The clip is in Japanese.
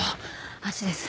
あっちです。